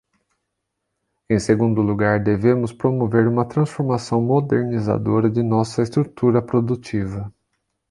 Em segundo lugar, devemos promover uma transformação modernizadora de nossa estrutura produtiva.